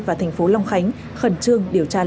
và thành phố long khánh khẩn trương điều tra làm